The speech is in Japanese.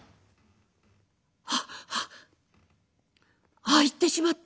「あっあっあ行ってしまった。